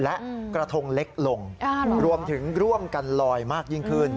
และกระทงเล็กลงรวมถึงร่วมกันลอยมากยิ่งขึ้น